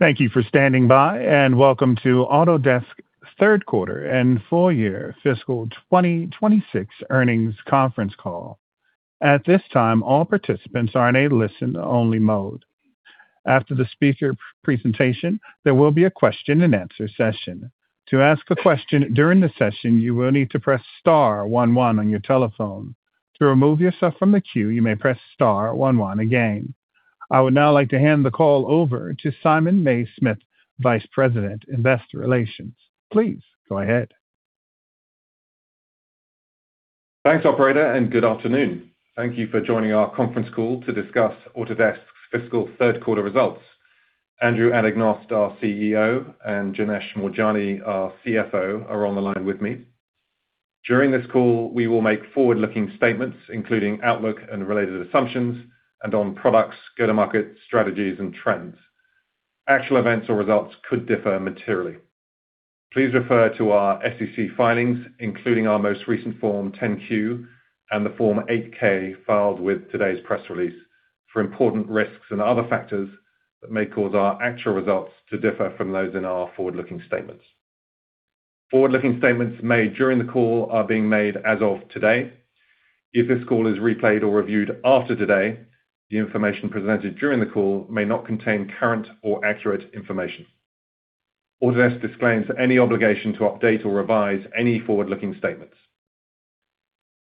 Thank you for standing by, and welcome to Autodesk's third quarter and full year fiscal 2026 earnings conference call. At this time, all participants are in a listen-only mode. After the speaker presentation, there will be a question-and-answer session. To ask a question during the session, you will need to press star one one on your telephone. To remove yourself from the queue, you may press star one one again. I would now like to hand the call over to Simon Mays-Smith, Vice President, Investor Relations. Please go ahead. Thanks, Operator, and good afternoon. Thank you for joining our conference call to discuss Autodesk's fiscal third quarter results. Andrew Anagnost, our CEO, and Janesh Moorjani, our CFO, are on the line with me. During this call, we will make forward-looking statements, including outlook and related assumptions, and on products, go-to-market strategies, and trends. Actual events or results could differ materially. Please refer to our SEC filings, including our most recent Form 10-Q and the Form 8-K filed with today's press release, for important risks and other factors that may cause our actual results to differ from those in our forward-looking statements. Forward-looking statements made during the call are being made as of today. If this call is replayed or reviewed after today, the information presented during the call may not contain current or accurate information. Autodesk disclaims any obligation to update or revise any forward-looking statements.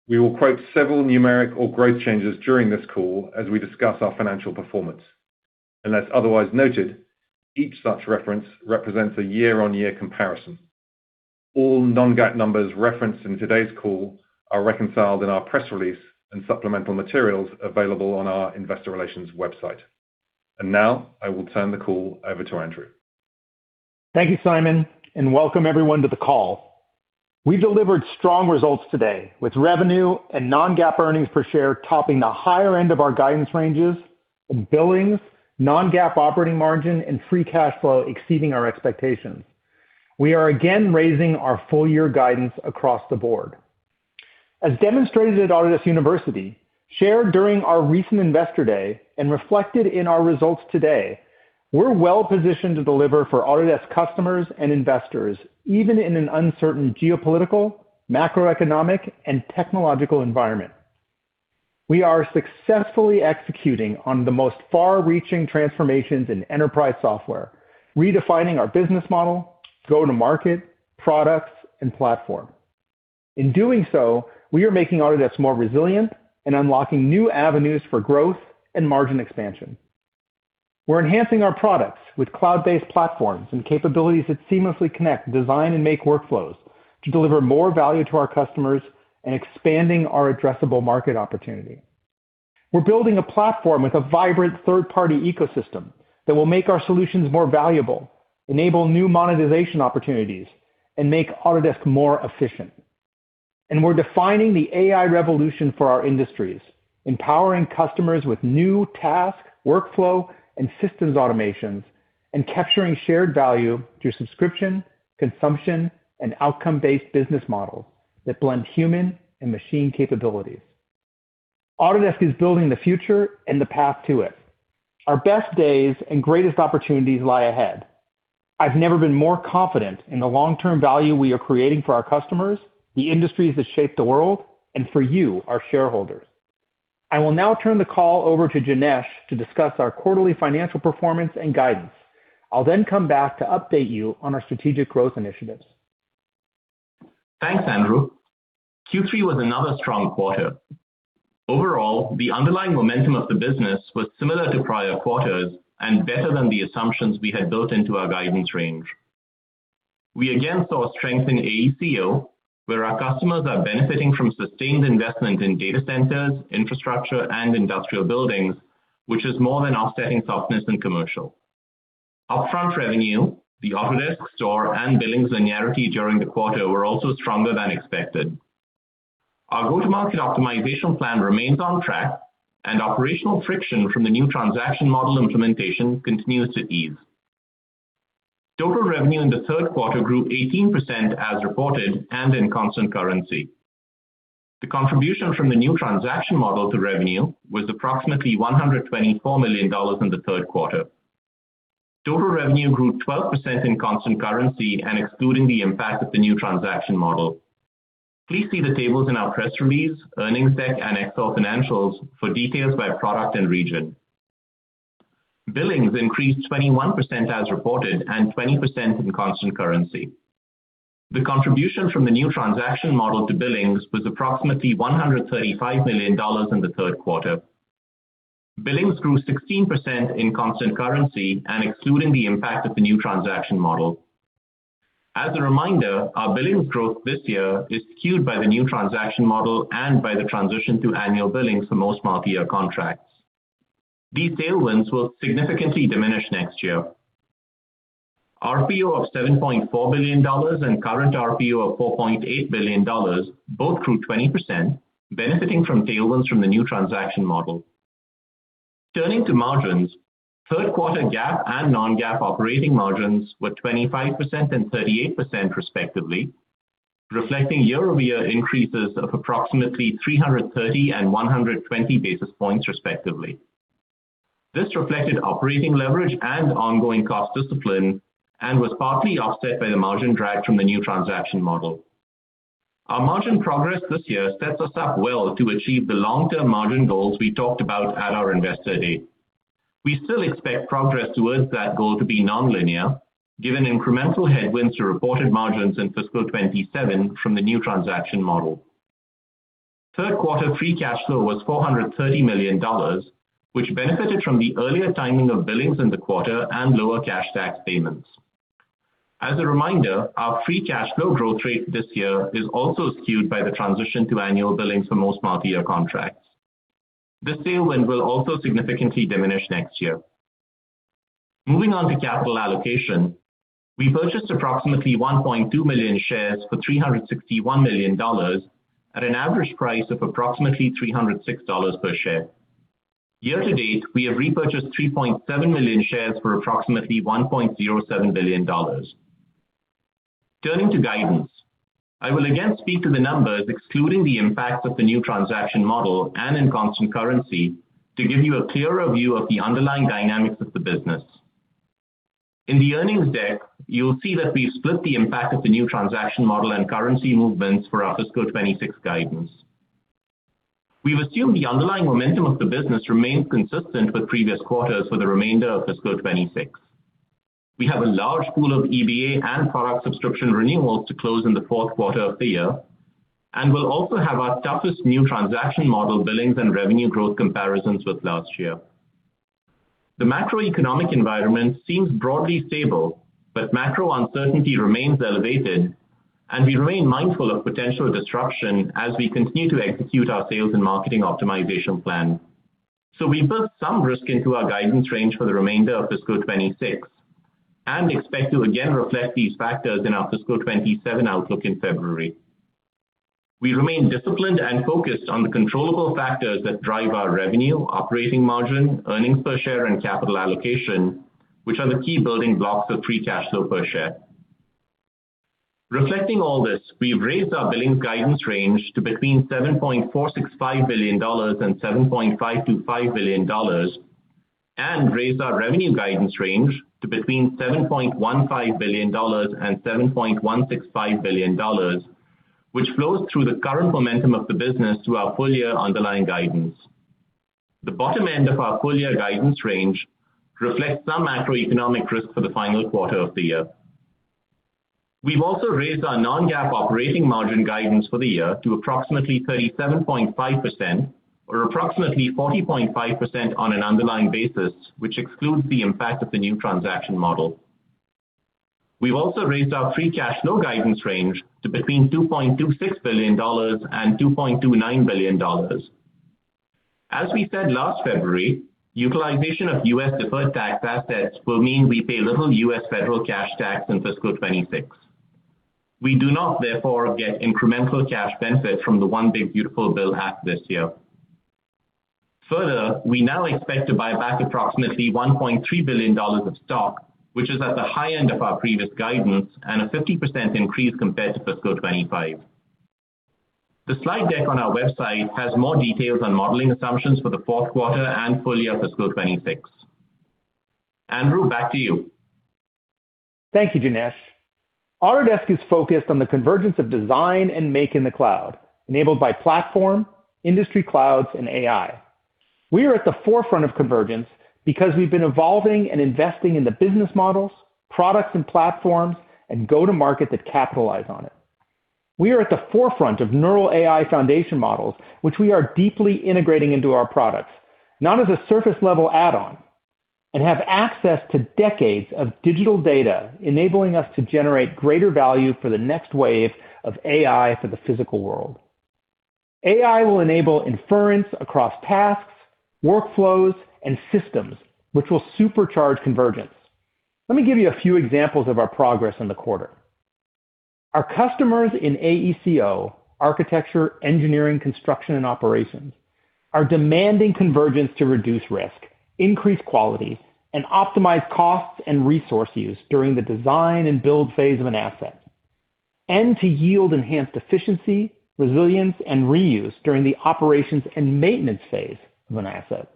We will quote several numeric or growth changes during this call as we discuss our financial performance. Unless otherwise noted, each such reference represents a year-on-year comparison. All non-GAAP numbers referenced in today's call are reconciled in our press release and supplemental materials available on our Investor Relations website. Now, I will turn the call over to Andrew. Thank you, Simon, and welcome everyone to the call. We delivered strong results today, with revenue and non-GAAP earnings per share topping the higher end of our guidance ranges, and billings, non-GAAP operating margin, and free cash flow exceeding our expectations. We are again raising our full-year guidance across the board. As demonstrated at Autodesk University, shared during our Investor Day, and reflected in our results today, we're well positioned to deliver for Autodesk customers and investors, even in an uncertain geopolitical, macroeconomic, and technological environment. We are successfully executing on the most far-reaching transformations in enterprise software, redefining our business model, go-to-market, products, and platform. In doing so, we are making Autodesk more resilient and unlocking new avenues for growth and margin expansion. We're enhancing our products with cloud-based platforms and capabilities that seamlessly connect design and make workflows to deliver more value to our customers and expanding our addressable market opportunity. We're building a platform with a vibrant third-party ecosystem that will make our solutions more valuable, enable new monetization opportunities, and make Autodesk more efficient. We're defining the AI revolution for our industries, empowering customers with new task, workflow, and systems automations, and capturing shared value through subscription, consumption, and outcome-based business models that blend human and machine capabilities. Autodesk is building the future and the path to it. Our best days and greatest opportunities lie ahead. I've never been more confident in the long-term value we are creating for our customers, the industries that shape the world, and for you, our shareholders. I will now turn the call over to Janesh to discuss our quarterly financial performance and guidance. I'll then come back to update you on our strategic growth initiatives. Thanks, Andrew. Q3 was another strong quarter. Overall, the underlying momentum of the business was similar to prior quarters and better than the assumptions we had built into our guidance range. We again saw strength in AECO, where our customers are benefiting from sustained investment in data centers, infrastructure, and industrial buildings, which is more than offsetting softness in commercial. Upfront revenue, the Autodesk Store and billing linearity during the quarter were also stronger than expected. Our go-to-market optimization plan remains on track, and operational friction from the new transaction model implementation continues to ease. Total revenue in the third quarter grew 18% as reported and in constant currency. The contribution from the new transaction model to revenue was approximately $124 million in the third quarter. Total revenue grew 12% in constant currency and excluding the impact of the new transaction model. Please see the tables in our press release, earnings deck, and Excel financials for details by product and region. Billings increased 21% as reported and 20% in constant currency. The contribution from the new transaction model to billings was approximately $135 million in the third quarter. Billings grew 16% in constant currency and excluding the impact of the new transaction model. As a reminder, our billings growth this year is skewed by the new transaction model and by the transition to annual billing for most multi-year contracts. These tailwinds will significantly diminish next year. RPO of $7.4 billion and current RPO of $4.8 billion both grew 20%, benefiting from tailwinds from the new transaction model. Turning to margins, third quarter GAAP and non-GAAP operating margins were 25% and 38% respectively, reflecting year-over-year increases of approximately 330 basis points and 120 basis points respectively. This reflected operating leverage and ongoing cost discipline and was partly offset by the margin drag from the new transaction model. Our margin progress this year sets us up well to achieve the long-term margin goals we talked about at our Investor Day. We still expect progress towards that goal to be non-linear, given incremental headwinds to reported margins in fiscal 2027 from the new transaction model. Third quarter free cash flow was $430 million, which benefited from the earlier timing of billings in the quarter and lower cash tax payments. As a reminder, our free cash flow growth rate this year is also skewed by the transition to annual billing for most multi-year contracts. This tailwind will also significantly diminish next year. Moving on to capital allocation, we purchased approximately 1.2 million shares for $361 million at an average price of approximately $306 per share. Year to date, we have repurchased 3.7 million shares for approximately $1.07 billion. Turning to guidance, I will again speak to the numbers, excluding the impacts of the new transaction model and in constant currency, to give you a clearer view of the underlying dynamics of the business. In the earnings deck, you'll see that we've split the impact of the new transaction model and currency movements for our fiscal 2026 guidance. We've assumed the underlying momentum of the business remains consistent with previous quarters for the remainder of fiscal 2026. We have a large pool of EBA and product subscription renewals to close in the fourth quarter of the year and will also have our toughest new transaction model billings and revenue growth comparisons with last year. The macroeconomic environment seems broadly stable, but macro uncertainty remains elevated, and we remain mindful of potential disruption as we continue to execute our sales and marketing optimization plan. We have built some risk into our guidance range for the remainder of fiscal 2026 and expect to again reflect these factors in our fiscal 2027 outlook in February. We remain disciplined and focused on the controllable factors that drive our revenue, operating margin, earnings per share, and capital allocation, which are the key building blocks of free cash flow per share. Reflecting all this, we have raised our billings guidance range to between $7.465 billion and $7.525 billion and raised our revenue guidance range to between $7.15 billion and $7.165 billion, which flows through the current momentum of the business through our full-year underlying guidance. The bottom end of our full-year guidance range reflects some macroeconomic risk for the final quarter of the year. We've also raised our non-GAAP operating margin guidance for the year to approximately 37.5% or approximately 40.5% on an underlying basis, which excludes the impact of the new transaction model. We've also raised our free cash flow guidance range to between $2.26 billion and $2.29 billion. As we said last February, utilization of U.S. deferred tax assets will mean we pay little U.S. federal cash tax in fiscal 2026. We do not, therefore, get incremental cash benefit from the one big beautiful bill hack this year. Further, we now expect to buy back approximately $1.3 billion of stock, which is at the high end of our previous guidance and a 50% increase compared to fiscal 2025. The slide deck on our website has more details on modeling assumptions for the fourth quarter and full-year fiscal 2026. Andrew, back to you. Thank you, Janesh. Autodesk is focused on the convergence of design and make in the cloud, enabled by platform, industry clouds, and AI. We are at the forefront of convergence because we've been evolving and investing in the business models, products, and platforms and go-to-market that capitalize on it. We are at the forefront of neural AI foundation models, which we are deeply integrating into our products, not as a surface-level add-on, and have access to decades of digital data, enabling us to generate greater value for the next wave of AI for the physical world. AI will enable inference across tasks, workflows, and systems, which will supercharge convergence. Let me give you a few examples of our progress in the quarter. Our customers in AECO, architecture, engineering, construction, and operations, are demanding convergence to reduce risk, increase quality, and optimize costs and resource use during the design and build phase of an asset, and to yield enhanced efficiency, resilience, and reuse during the operations and maintenance phase of an asset.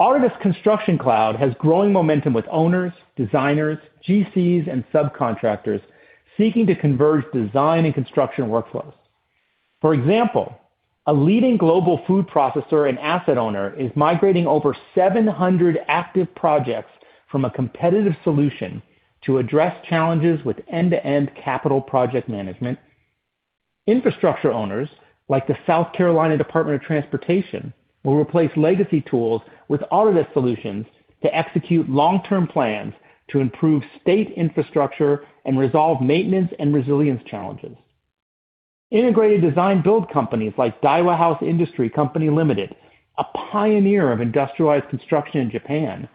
Autodesk Construction Cloud has growing momentum with owners, designers, GCs, and subcontractors seeking to converge design and construction workflows. For example, a leading global food processor and asset owner is migrating over 700 active projects from a competitive solution to address challenges with end-to-end capital project management. Infrastructure owners, like the South Carolina Department of Transportation, will replace legacy tools with Autodesk solutions to execute long-term plans to improve state infrastructure and resolve maintenance and resilience challenges. Integrated design build companies like Daiwa House Industry Co., Ltd., a pioneer of industrialized construction in Japan,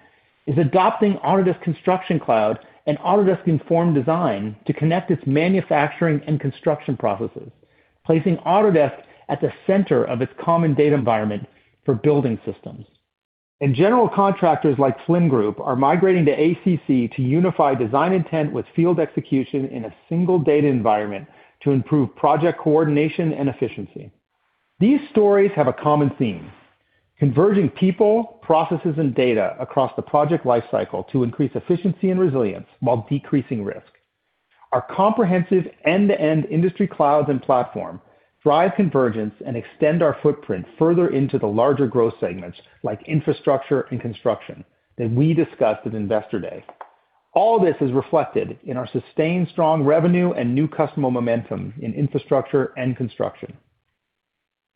are adopting Autodesk Construction Cloud and Autodesk Informed Design to connect its manufacturing and construction processes, placing Autodesk at the center of its common data environment for building systems. General contractors like Flynn Group are migrating to ACC to unify design intent with field execution in a single data environment to improve project coordination and efficiency. These stories have a common theme: converging people, processes, and data across the project lifecycle to increase efficiency and resilience while decreasing risk. Our comprehensive end-to-end industry clouds and platform drive convergence and extend our footprint further into the larger growth segments like infrastructure and construction that we discussed at Investor Day. All this is reflected in our sustained strong revenue and new customer momentum in infrastructure and construction.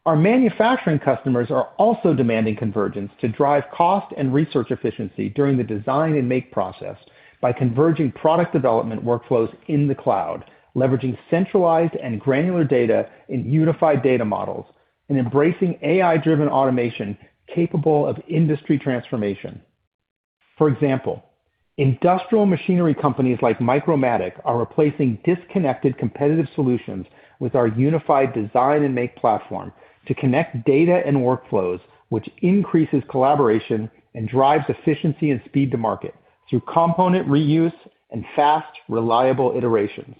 Our manufacturing customers are also demanding convergence to drive cost and research efficiency during the design and make process by converging product development workflows in the cloud, leveraging centralized and granular data in unified data models, and embracing AI-driven automation capable of industry transformation. For example, industrial machinery companies like Micromatic are replacing disconnected competitive solutions with our unified design and make platform to connect data and workflows, which increases collaboration and drives efficiency and speed to market through component reuse and fast, reliable iterations.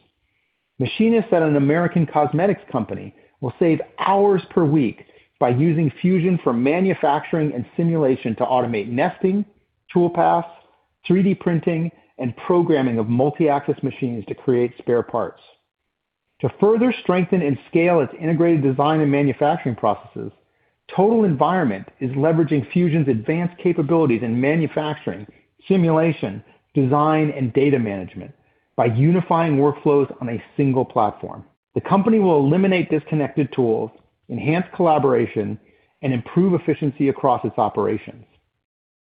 Machinists at an American cosmetics company will save hours per week by using Fusion for manufacturing and simulation to automate nesting, toolpaths, 3D printing, and programming of multi-axis machines to create spare parts. To further strengthen and scale its integrated design and manufacturing processes, Total Environment is leveraging Fusion's advanced capabilities in manufacturing, simulation, design, and data management by unifying workflows on a single platform. The company will eliminate disconnected tools, enhance collaboration, and improve efficiency across its operations.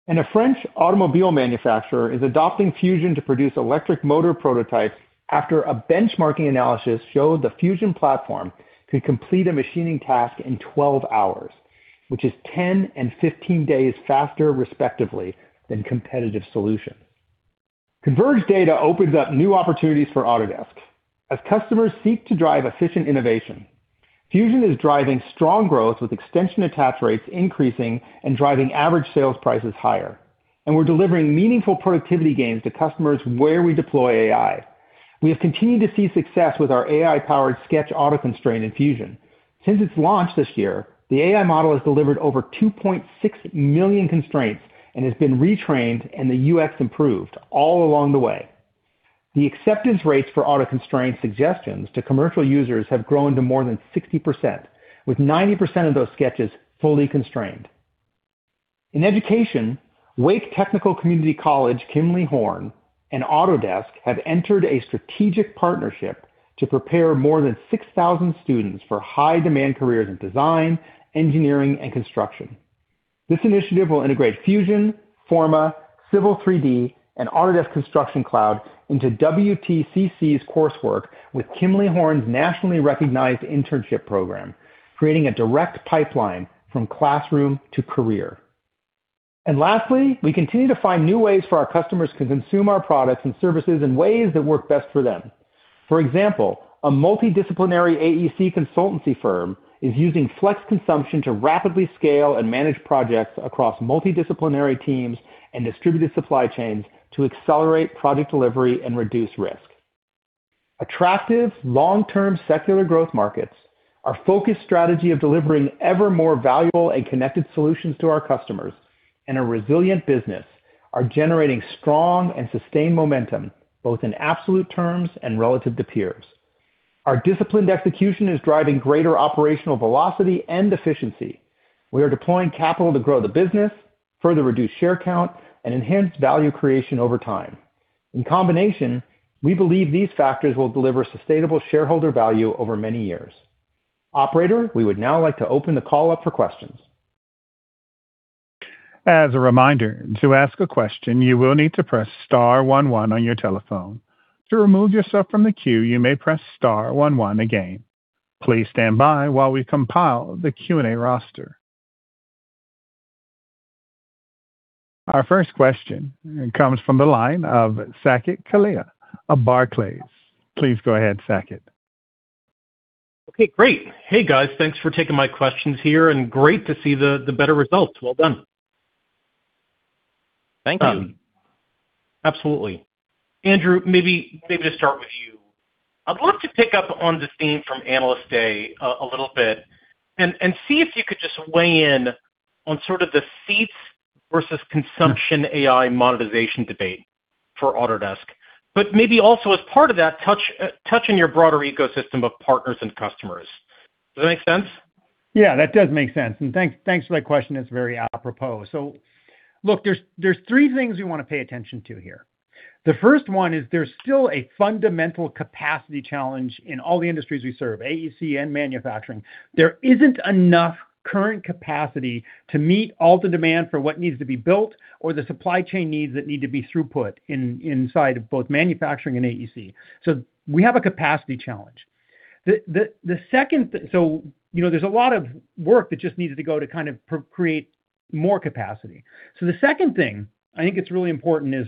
A French automobile manufacturer is adopting Fusion to produce electric motor prototypes after a benchmarking analysis showed the Fusion platform could complete a machining task in 12 hours, which is 10 and 15 days faster, respectively, than competitive solutions. Converged data opens up new opportunities for Autodesk. As customers seek to drive efficient innovation, Fusion is driving strong growth with extension attach rates increasing and driving average sales prices higher, and we're delivering meaningful productivity gains to customers where we deploy AI. We have continued to see success with our AI-powered Sketch auto constraint in Fusion. Since its launch this year, the AI model has delivered over 2.6 million constraints and has been retrained and the UX improved all along the way. The acceptance rates for auto constraint suggestions to commercial users have grown to more than 60%, with 90% of those sketches fully constrained. In education, Wake Technical Community College, Kimley-Horn, and Autodesk have entered a strategic partnership to prepare more than 6,000 students for high-demand careers in design, engineering, and construction. This initiative will integrate Fusion, Forma, Civil 3D, and Autodesk Construction Cloud into WTCC's coursework with Kimley-Horn's nationally recognized internship program, creating a direct pipeline from classroom to career. We continue to find new ways for our customers to consume our products and services in ways that work best for them. For example, a multidisciplinary AEC consultancy firm is using flex consumption to rapidly scale and manage projects across multidisciplinary teams and distributed supply chains to accelerate project delivery and reduce risk. Attractive, long-term secular growth markets, our focused strategy of delivering ever more valuable and connected solutions to our customers, and a resilient business are generating strong and sustained momentum, both in absolute terms and relative to peers. Our disciplined execution is driving greater operational velocity and efficiency. We are deploying capital to grow the business, further reduce share count, and enhance value creation over time. In combination, we believe these factors will deliver sustainable shareholder value over many years. Operator, we would now like to open the call up for questions. As a reminder, to ask a question, you will need to press star one one on your telephone. To remove yourself from the queue, you may press star one one again. Please stand by while we compile the Q&A roster. Our first question comes from the line of Saket Kalia of Barclays. Please go ahead, Saket. Okay, great. Hey, guys, thanks for taking my questions here, and great to see the better results. Well done. Thank you. Absolutely. Andrew, maybe to start with you, I'd love to pick up on the theme from Analyst Day a little bit and see if you could just weigh in on sort of the seats versus consumption AI monetization debate for Autodesk, but maybe also as part of that, touch on your broader ecosystem of partners and customers. Does that make sense? Yeah, that does make sense. Thanks for that question. It's very apropos. Look, there are three things we want to pay attention to here. The first one is there's still a fundamental capacity challenge in all the industries we serve, AEC and manufacturing. There isn't enough current capacity to meet all the demand for what needs to be built or the supply chain needs that need to be throughput inside of both manufacturing and AEC. We have a capacity challenge. There's a lot of work that just needs to go to kind of create more capacity. The second thing I think is really important is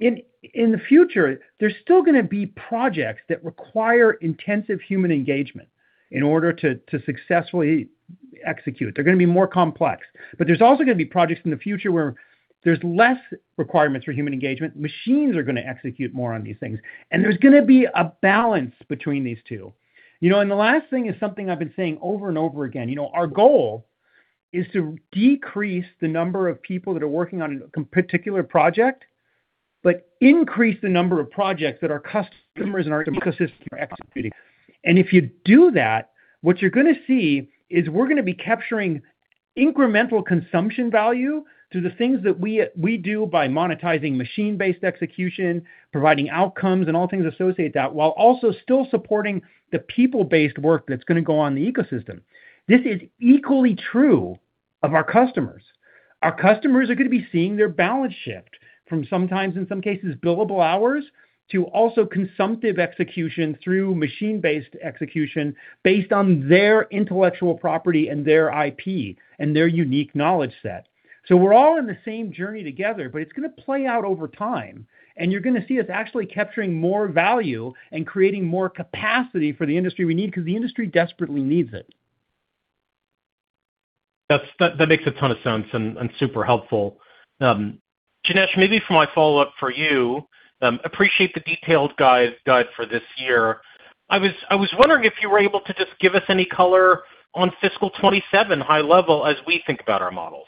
in the future, there are still going to be projects that require intensive human engagement in order to successfully execute. They're going to be more complex. There are also going to be projects in the future where there is less requirement for human engagement. Machines are going to execute more on these things. There is going to be a balance between these two. The last thing is something I have been saying over and over again. Our goal is to decrease the number of people that are working on a particular project, but increase the number of projects that our customers and our ecosystem are executing. If you do that, what you are going to see is we are going to be capturing incremental consumption value through the things that we do by monetizing machine-based execution, providing outcomes and all things associated with that, while also still supporting the people-based work that is going to go on in the ecosystem. This is equally true of our customers. Our customers are going to be seeing their balance shift from sometimes, in some cases, billable hours to also consumptive execution through machine-based execution based on their intellectual property and their IP and their unique knowledge set. We are all in the same journey together, but it is going to play out over time. You are going to see us actually capturing more value and creating more capacity for the industry we need because the industry desperately needs it. That makes a ton of sense and super helpful. Janesh, maybe for my follow-up for you, appreciate the detailed guide for this year. I was wondering if you were able to just give us any color on fiscal 2027 high level as we think about our models.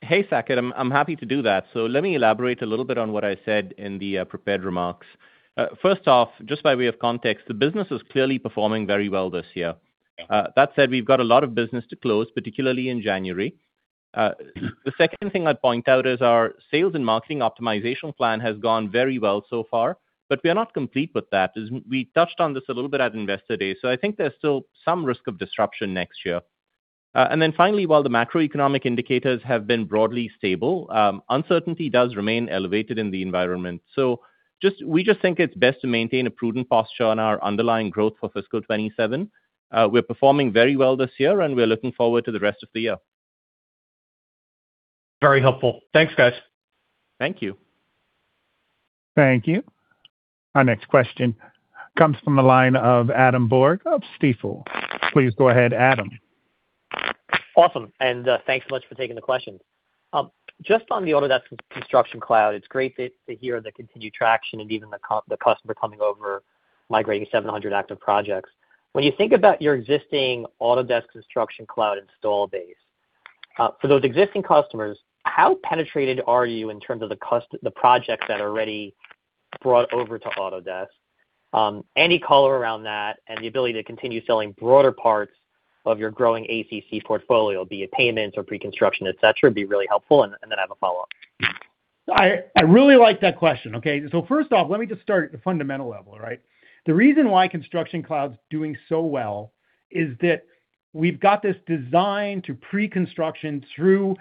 Hey, Saket, I'm happy to do that. Let me elaborate a little bit on what I said in the prepared remarks. First off, just by way of context, the business is clearly performing very well this year. That said, we've got a lot of business to close, particularly in January. The second thing I'd point out is our sales and marketing optimization plan has gone very well so far, but we are not complete with that. We touched on this a little bit at Investor Day. I think there's still some risk of disruption next year. Finally, while the macroeconomic indicators have been broadly stable, uncertainty does remain elevated in the environment. We just think it's best to maintain a prudent posture on our underlying growth for fiscal 2027. We're performing very well this year, and we're looking forward to the rest of the year. Very helpful. Thanks, guys. Thank you. Thank you. Our next question comes from the line of Adam Borg of Stifel. Please go ahead, Adam. Awesome. Thanks so much for taking the question. Just on the Autodesk Construction Cloud, it's great to hear the continued traction and even the customer coming over, migrating 700 active projects. When you think about your existing Autodesk Construction Cloud install base, for those existing customers, how penetrated are you in terms of the projects that are already brought over to Autodesk? Any color around that and the ability to continue selling broader parts of your growing ACC portfolio, be it payments or pre-construction, etc., would be really helpful. I have a follow-up. I really like that question. Okay. First off, let me just start at the fundamental level, right? The reason why Construction Cloud's doing so well is that we've got this design to pre-construction through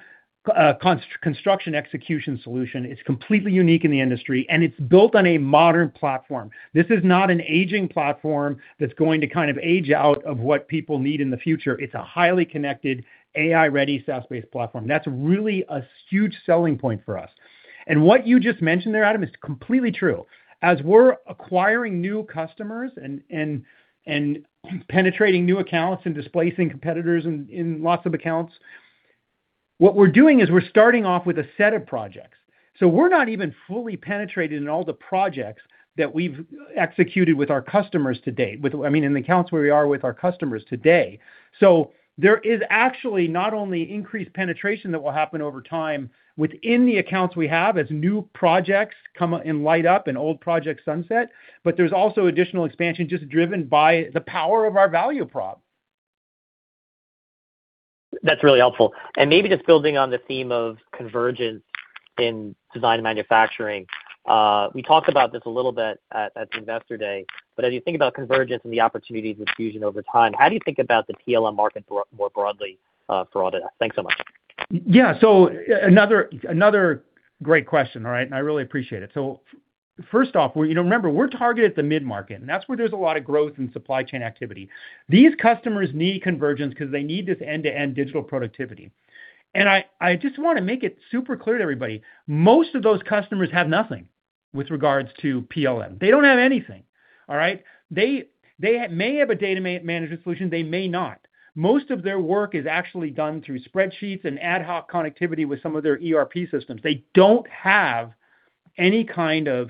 construction execution solution. It's completely unique in the industry, and it's built on a modern platform. This is not an aging platform that's going to kind of age out of what people need in the future. It's a highly connected, AI-ready, SaaS-based platform. That's really a huge selling point for us. What you just mentioned there, Adam, is completely true. As we're acquiring new customers and penetrating new accounts and displacing competitors in lots of accounts, what we're doing is we're starting off with a set of projects. We're not even fully penetrated in all the projects that we've executed with our customers to date, I mean, in the accounts where we are with our customers today. There is actually not only increased penetration that will happen over time within the accounts we have as new projects come and light up and old projects sunset, but there's also additional expansion just driven by the power of our value prop. That's really helpful. Maybe just building on the theme of convergence in design and manufacturing, we talked about this a little bit at Investor Day, but as you think about convergence and the opportunities with Fusion over time, how do you think about the PLM market more broadly for Autodesk? Thanks so much. Yeah. Another great question, all right? I really appreciate it. First off, remember, we're targeted at the mid-market, and that's where there's a lot of growth and supply chain activity. These customers need convergence because they need this end-to-end digital productivity. I just want to make it super clear to everybody, most of those customers have nothing with regards to PLM. They don't have anything, all right? They may have a data management solution. They may not. Most of their work is actually done through spreadsheets and ad hoc connectivity with some of their ERP systems. They don't have any kind of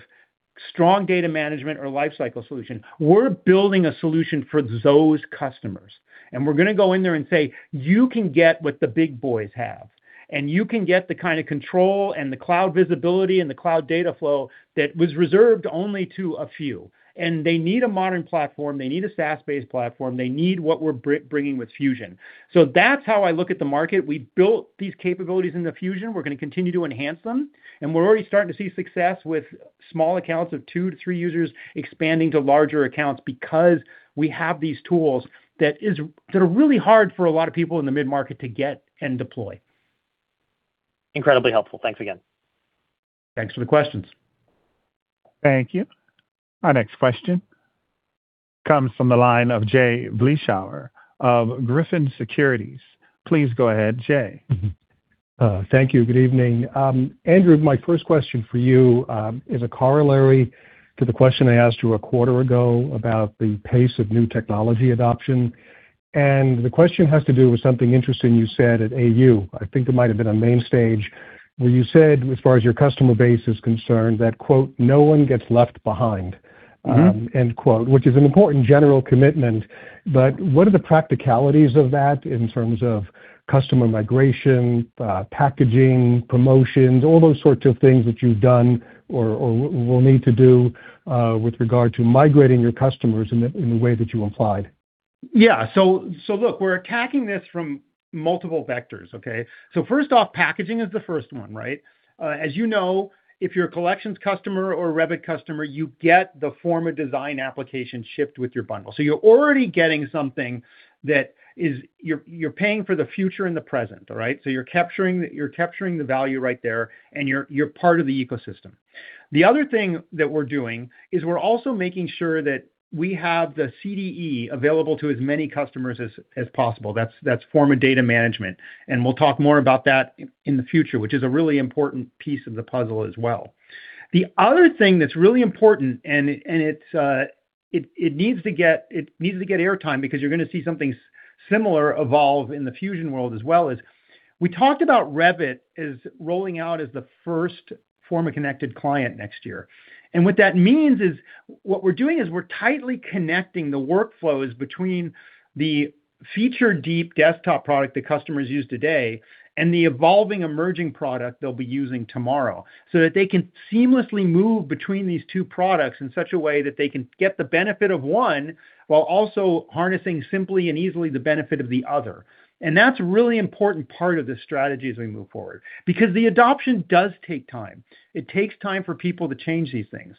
strong data management or lifecycle solution. We're building a solution for those customers. We're going to go in there and say, "You can get what the big boys have, and you can get the kind of control and the cloud visibility and the cloud data flow that was reserved only to a few." They need a modern platform. They need a SaaS-based platform. They need what we're bringing with Fusion. That is how I look at the market. We built these capabilities in Fusion. We're going to continue to enhance them. We're already starting to see success with small accounts of two to three users expanding to larger accounts because we have these tools that are really hard for a lot of people in the mid-market to get and deploy. Incredibly helpful. Thanks again. Thanks for the questions. Thank you. Our next question comes from the line of Jay Vleeschhouwer of Griffin Securities. Please go ahead, Jay. Thank you. Good evening. Andrew, my first question for you is a corollary to the question I asked you a quarter ago about the pace of new technology adoption. The question has to do with something interesting you said at AU. I think it might have been on Mainstage where you said, as far as your customer base is concerned, that, "No one gets left behind," which is an important general commitment. What are the practicalities of that in terms of customer migration, packaging, promotions, all those sorts of things that you've done or will need to do with regard to migrating your customers in the way that you implied? Yeah. Look, we're attacking this from multiple vectors, okay? First off, packaging is the first one, right? As you know, if you're a collections customer or a Revit customer, you get the Forma design application shipped with your bundle. You're already getting something that you're paying for the future and the present, all right? You're capturing the value right there, and you're part of the ecosystem. The other thing that we're doing is we're also making sure that we have the CDE available to as many customers as possible. That's Forma data management. We'll talk more about that in the future, which is a really important piece of the puzzle as well. The other thing that's really important, and it needs to get airtime because you're going to see something similar evolve in the Fusion world as well, is we talked about Revit as rolling out as the first form of connected client next year. What that means is what we're doing is we're tightly connecting the workflows between the feature-deep desktop product that customers use today and the evolving emerging product they'll be using tomorrow so that they can seamlessly move between these two products in such a way that they can get the benefit of one while also harnessing simply and easily the benefit of the other. That's a really important part of the strategy as we move forward because the adoption does take time. It takes time for people to change these things.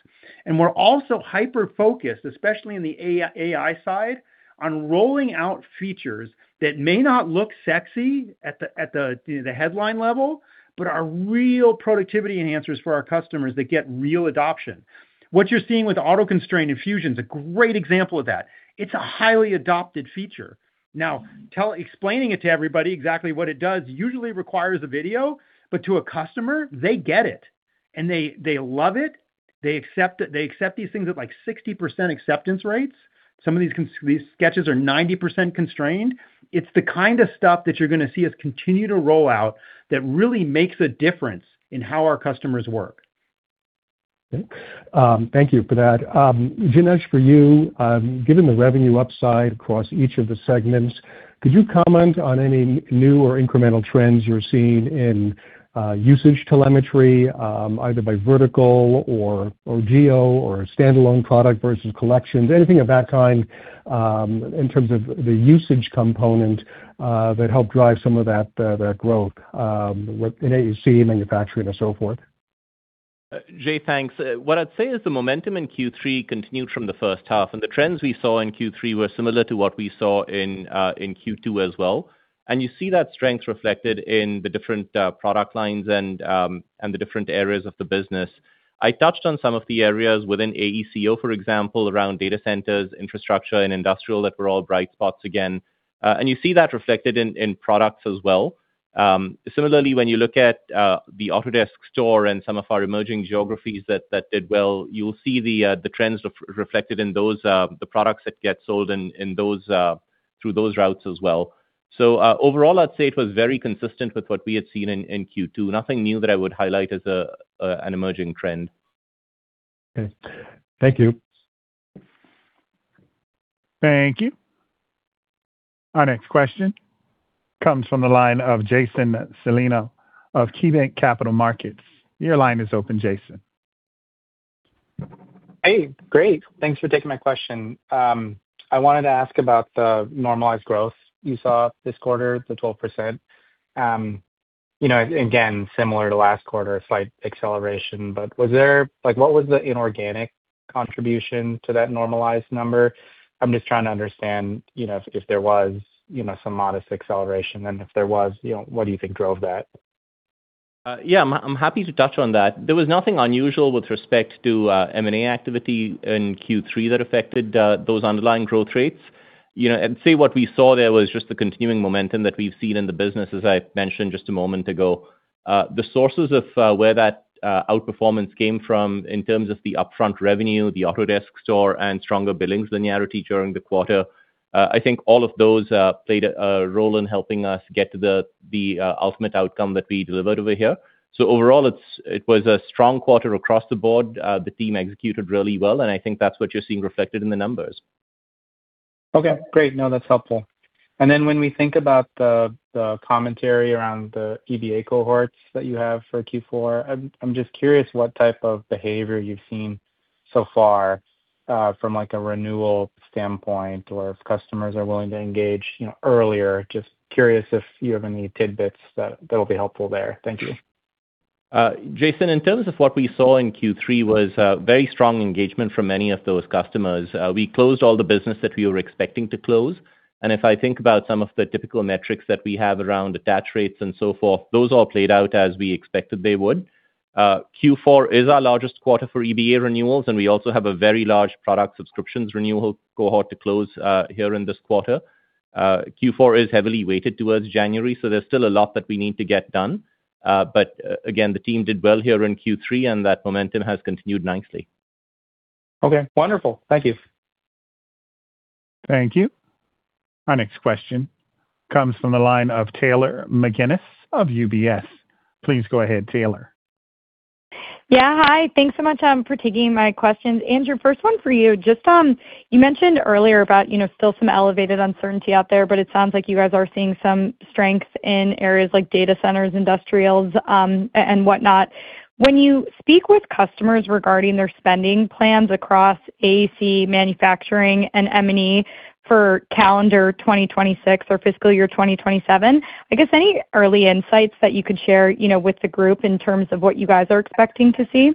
We're also hyper-focused, especially in the AI side, on rolling out features that may not look sexy at the headline level, but are real productivity enhancers for our customers that get real adoption. What you're seeing with auto-constrain in Fusion is a great example of that. It's a highly adopted feature. Now, explaining it to everybody exactly what it does usually requires a video, but to a customer, they get it. And they love it. They accept these things at like 60% acceptance rates. Some of these sketches are 90% constrained. It's the kind of stuff that you're going to see us continue to roll out that really makes a difference in how our customers work. Thank you for that. Janesh, for you, given the revenue upside across each of the segments, could you comment on any new or incremental trends you're seeing in usage telemetry, either by vertical or geo or standalone product versus collections? Anything of that kind in terms of the usage component that helped drive some of that growth in AEC manufacturing and so forth? Jay, thanks. What I'd say is the momentum in Q3 continued from the first half. The trends we saw in Q3 were similar to what we saw in Q2 as well. You see that strength reflected in the different product lines and the different areas of the business. I touched on some of the areas within AECO, for example, around data centers, infrastructure, and industrial that were all bright spots again. You see that reflected in products as well. Similarly, when you look at the Autodesk Store and some of our emerging geographies that did well, you'll see the trends reflected in the products that get sold through those routes as well. Overall, I'd say it was very consistent with what we had seen in Q2. Nothing new that I would highlight as an emerging trend. Okay. Thank you. Thank you. Our next question comes from the line of Jason Celino of KeyBanc Capital Markets. Your line is open, Jason. Hey, great. Thanks for taking my question. I wanted to ask about the normalized growth you saw this quarter, the 12%. Again, similar to last quarter, slight acceleration. What was the inorganic contribution to that normalized number? I'm just trying to understand if there was some modest acceleration. If there was, what do you think drove that? Yeah, I'm happy to touch on that. There was nothing unusual with respect to M&A activity in Q3 that affected those underlying growth rates. I'd say what we saw there was just the continuing momentum that we've seen in the business, as I mentioned just a moment ago. The sources of where that outperformance came from in terms of the upfront revenue, the Autodesk Store, and stronger billings linearity during the quarter, I think all of those played a role in helping us get to the ultimate outcome that we delivered over here. Overall, it was a strong quarter across the board. The team executed really well. I think that's what you're seeing reflected in the numbers. Okay. Great. No, that's helpful. When we think about the commentary around the EBA cohorts that you have for Q4, I'm just curious what type of behavior you've seen so far from a renewal standpoint or if customers are willing to engage earlier. Just curious if you have any tidbits that will be helpful there. Thank you. Jason, in terms of what we saw in Q3 was very strong engagement from many of those customers. We closed all the business that we were expecting to close. If I think about some of the typical metrics that we have around attach rates and so forth, those all played out as we expected they would. Q4 is our largest quarter for EBA renewals. We also have a very large product subscriptions renewal cohort to close here in this quarter. Q4 is heavily weighted towards January, so there's still a lot that we need to get done. Again, the team did well here in Q3, and that momentum has continued nicely. Okay. Wonderful. Thank you. Thank you. Our next question comes from the line of Taylor McGinnis of UBS. Please go ahead, Taylor. Yeah. Hi. Thanks so much for taking my questions. Andrew, first one for you. You mentioned earlier about still some elevated uncertainty out there, but it sounds like you guys are seeing some strength in areas like data centers, industrials, and whatnot. When you speak with customers regarding their spending plans across AEC manufacturing and M&E for calendar 2026 or fiscal year 2027, I guess any early insights that you could share with the group in terms of what you guys are expecting to see?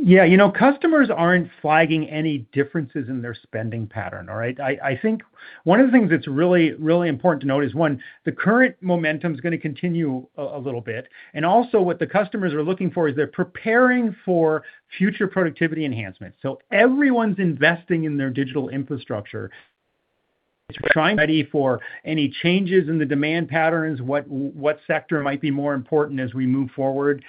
Yeah. Customers aren't flagging any differences in their spending pattern, all right? I think one of the things that's really, really important to note is, one, the current momentum is going to continue a little bit. Also, what the customers are looking for is they're preparing for future productivity enhancement. Everyone's investing in their digital infrastructure. It's trying to be ready for any changes in the demand patterns, what sector might be more important as we move forward.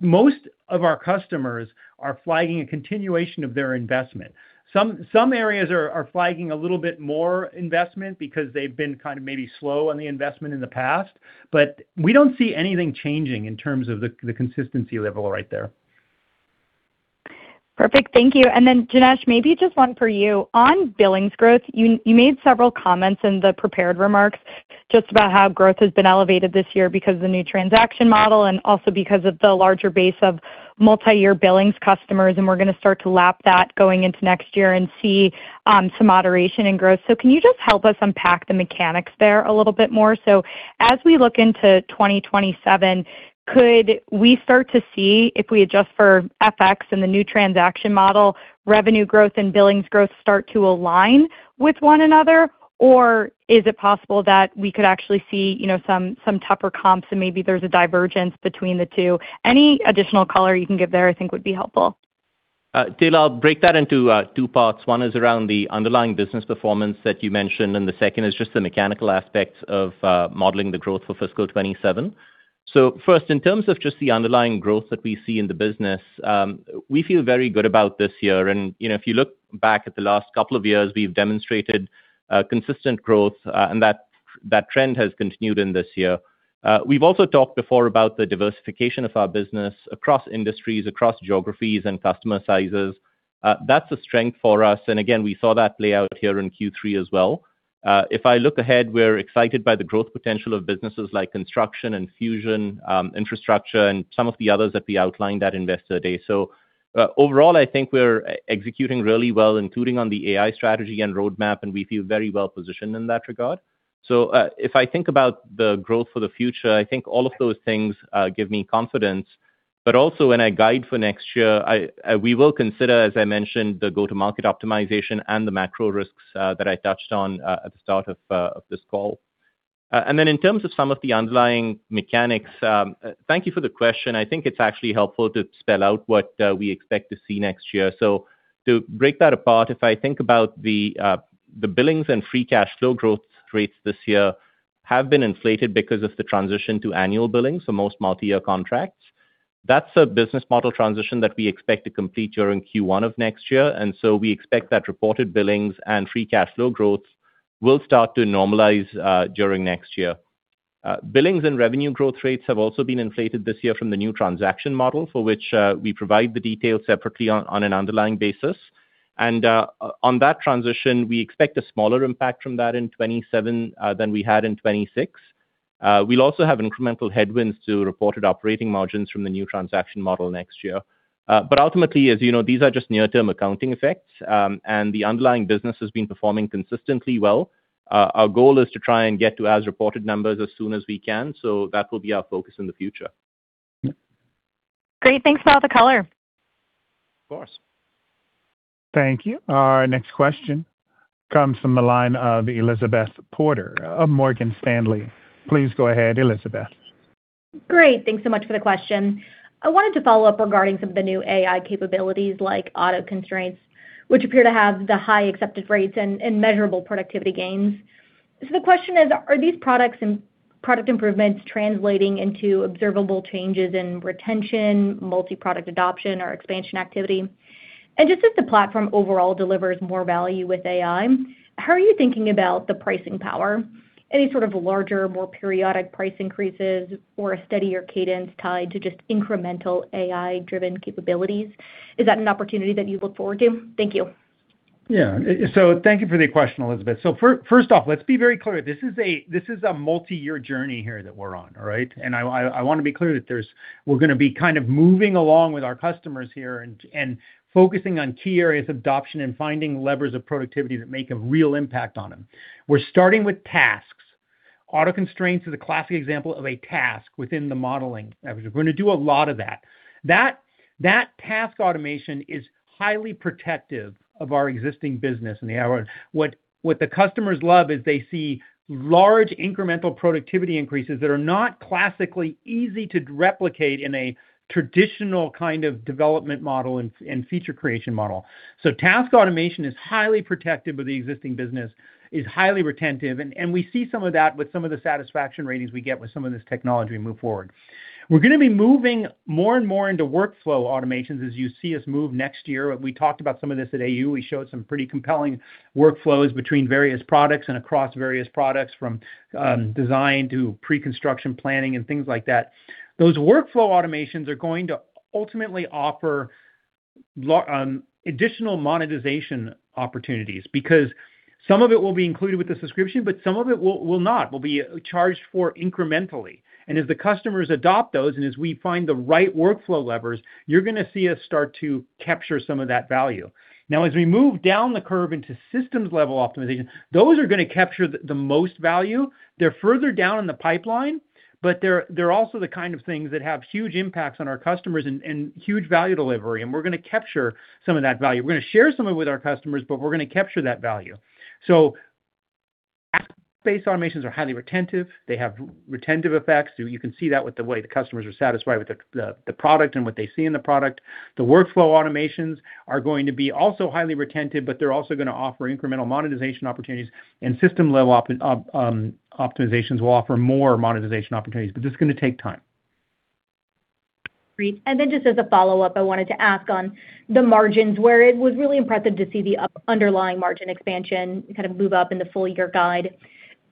Most of our customers are flagging a continuation of their investment. Some areas are flagging a little bit more investment because they've been kind of maybe slow on the investment in the past. We don't see anything changing in terms of the consistency level right there. Perfect. Thank you. Then, Janesh, maybe just one for you. On billings growth, you made several comments in the prepared remarks just about how growth has been elevated this year because of the new transaction model and also because of the larger base of multi-year billings customers. We're going to start to lap that going into next year and see some moderation in growth. Can you just help us unpack the mechanics there a little bit more? As we look into 2027, could we start to see if we adjust for FX and the new transaction model, revenue growth and billings growth start to align with one another? Is it possible that we could actually see some tougher comps and maybe there's a divergence between the two? Any additional color you can give there, I think, would be helpful. Taylor, I'll break that into two parts. One is around the underlying business performance that you mentioned, and the second is just the mechanical aspects of modeling the growth for fiscal 2027. First, in terms of just the underlying growth that we see in the business, we feel very good about this year. If you look back at the last couple of years, we've demonstrated consistent growth, and that trend has continued in this year. We've also talked before about the diversification of our business across industries, across geographies, and customer sizes. That's a strength for us. Again, we saw that play out here in Q3 as well. If I look ahead, we're excited by the growth potential of businesses like construction and Fusion, infrastructure, and some of the others that we outlined at Investor Day. Overall, I think we're executing really well, including on the AI strategy and roadmap, and we feel very well positioned in that regard. If I think about the growth for the future, I think all of those things give me confidence. Also, when I guide for next year, we will consider, as I mentioned, the go-to-market optimization and the macro risks that I touched on at the start of this call. In terms of some of the underlying mechanics, thank you for the question. I think it's actually helpful to spell out what we expect to see next year. To break that apart, if I think about the billings and free cash flow growth, rates this year have been inflated because of the transition to annual billing for most multi-year contracts. That's a business model transition that we expect to complete during Q1 of next year. We expect that reported billings and free cash flow growth will start to normalize during next year. Billings and revenue growth rates have also been inflated this year from the new transaction model, for which we provide the details separately on an underlying basis. On that transition, we expect a smaller impact from that in 2027 than we had in 2026. We'll also have incremental headwinds to reported operating margins from the new transaction model next year. Ultimately, as you know, these are just near-term accounting effects. The underlying business has been performing consistently well. Our goal is to try and get to as reported numbers as soon as we can. That will be our focus in the future. Great. Thanks for all the color. Of course. Thank you. Our next question comes from the line of Elizabeth Porter of Morgan Stanley. Please go ahead, Elizabeth. Great. Thanks so much for the question. I wanted to follow up regarding some of the new AI capabilities like auto-constraints, which appear to have the high accepted rates and measurable productivity gains. The question is, are these products and product improvements translating into observable changes in retention, multi-product adoption, or expansion activity? Just as the platform overall delivers more value with AI, how are you thinking about the pricing power? Any sort of larger, more periodic price increases or a steadier cadence tied to just incremental AI-driven capabilities? Is that an opportunity that you look forward to? Thank you. Yeah. Thank you for the question, Elizabeth. First off, let's be very clear. This is a multi-year journey here that we're on, all right? I want to be clear that we're going to be kind of moving along with our customers here and focusing on key areas of adoption and finding levers of productivity that make a real impact on them. We're starting with tasks. Auto constraints is a classic example of a task within the modeling. We're going to do a lot of that. That task automation is highly protective of our existing business. What the customers love is they see large incremental productivity increases that are not classically easy to replicate in a traditional kind of development model and feature creation model. Task automation is highly protective of the existing business, is highly retentive. We see some of that with some of the satisfaction ratings we get with some of this technology we move forward. We're going to be moving more and more into workflow automations as you see us move next year. We talked about some of this at AU. We showed some pretty compelling workflows between various products and across various products from design to pre-construction planning and things like that. Those workflow automations are going to ultimately offer additional monetization opportunities because some of it will be included with the subscription, but some of it will not. We'll be charged for incrementally. As the customers adopt those and as we find the right workflow levers, you're going to see us start to capture some of that value. Now, as we move down the curve into systems-level optimization, those are going to capture the most value. They're further down in the pipeline, but they're also the kind of things that have huge impacts on our customers and huge value delivery. We're going to capture some of that value. We're going to share some of it with our customers, but we're going to capture that value. Asset-based automations are highly retentive. They have retentive effects. You can see that with the way the customers are satisfied with the product and what they see in the product. The workflow automations are going to be also highly retentive, but they're also going to offer incremental monetization opportunities. System-level optimizations will offer more monetization opportunities, but it's going to take time. Great. Just as a follow-up, I wanted to ask on the margins, where it was really impressive to see the underlying margin expansion kind of move up in the full-year guide.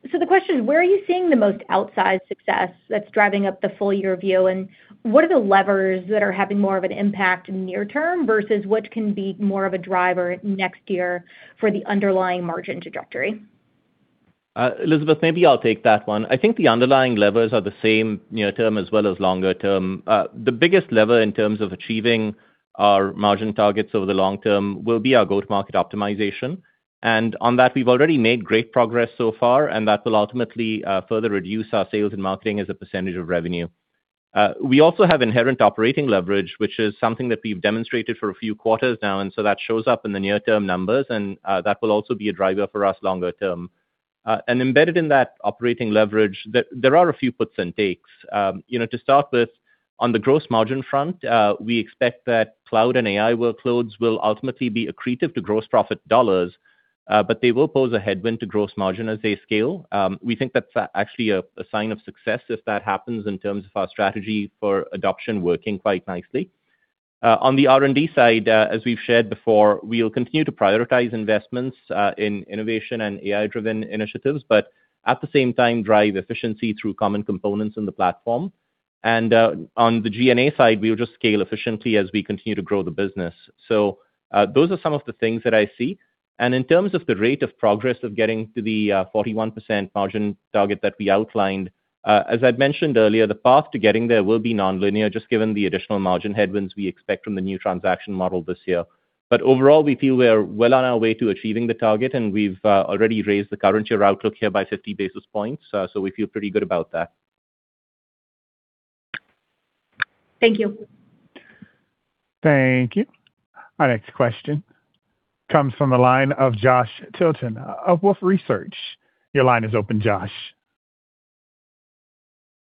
The question is, where are you seeing the most outsized success that's driving up the full-year view? What are the levers that are having more of an impact near-term versus what can be more of a driver next year for the underlying margin trajectory? Elizabeth, maybe I'll take that one. I think the underlying levers are the same near-term as well as longer-term. The biggest lever in terms of achieving our margin targets over the long term will be our go-to-market optimization. On that, we've already made great progress so far, and that will ultimately further reduce our sales and marketing as a percentage of revenue. We also have inherent operating leverage, which is something that we've demonstrated for a few quarters now. That shows up in the near-term numbers, and that will also be a driver for us longer-term. Embedded in that operating leverage, there are a few puts and takes. To start with, on the gross margin front, we expect that cloud and AI workloads will ultimately be accretive to gross profit dollars, but they will pose a headwind to gross margin as they scale. We think that's actually a sign of success if that happens in terms of our strategy for adoption working quite nicely. On the R&D side, as we've shared before, we'll continue to prioritize investments in innovation and AI-driven initiatives, but at the same time, drive efficiency through common components in the platform. On the G&A side, we'll just scale efficiently as we continue to grow the business. Those are some of the things that I see. In terms of the rate of progress of getting to the 41% margin target that we outlined, as I've mentioned earlier, the path to getting there will be non-linear, just given the additional margin headwinds we expect from the new transaction model this year. Overall, we feel we're well on our way to achieving the target, and we've already raised the current year outlook here by 50 basis points. We feel pretty good about that. Thank you. Thank you. Our next question comes from the line of Josh Tilton of Wolfe Research. Your line is open, Josh.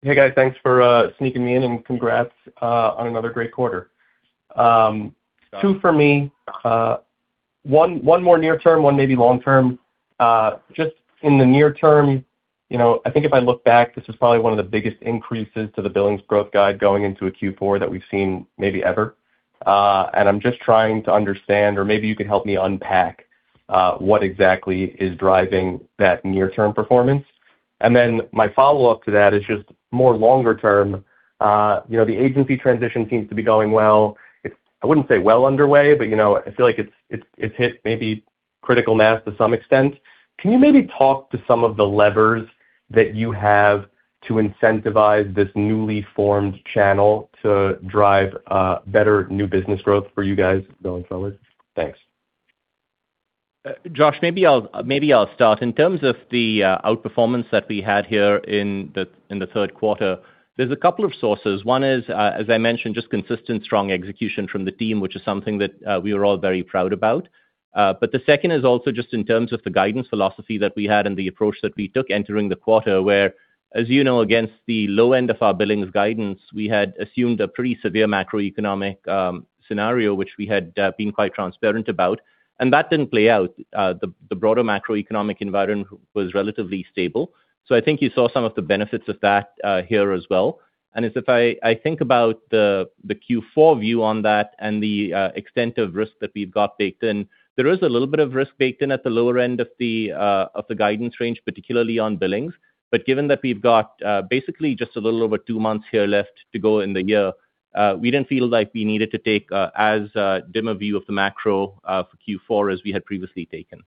Hey, guys. Thanks for sneaking me in, and congrats on another great quarter. Two for me. One more near-term, one maybe long-term. Just in the near term, I think if I look back, this is probably one of the biggest increases to the billings growth guide going into a Q4 that we've seen maybe ever. I'm just trying to understand, or maybe you can help me unpack what exactly is driving that near-term performance. My follow-up to that is just more longer-term. The agency transition seems to be going well. I wouldn't say well underway, but I feel like it's hit maybe critical mass to some extent. Can you maybe talk to some of the levers that you have to incentivize this newly formed channel to drive better new business growth for you guys going forward? Thanks. Josh, maybe I'll start. In terms of the outperformance that we had here in the third quarter, there's a couple of sources. One is, as I mentioned, just consistent, strong execution from the team, which is something that we are all very proud about. The second is also just in terms of the guidance philosophy that we had and the approach that we took entering the quarter, where, as you know, against the low end of our billings guidance, we had assumed a pretty severe macroeconomic scenario, which we had been quite transparent about. That didn't play out. The broader macroeconomic environment was relatively stable. I think you saw some of the benefits of that here as well. If I think about the Q4 view on that and the extent of risk that we've got baked in, there is a little bit of risk baked in at the lower end of the guidance range, particularly on billings. Given that we've got basically just a little over two months here left to go in the year, we didn't feel like we needed to take as dim a view of the macro for Q4 as we had previously taken.